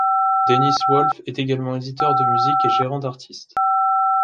Denis Wolff est également éditeur de musique et gérant d'artistes.